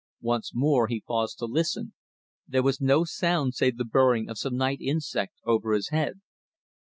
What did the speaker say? Once more he paused to listen. There was no sound save the burring of some night insect over his head.